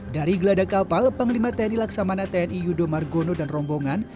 dari geladak kapal panglima tni laksamana tni yudo margono dan rombongan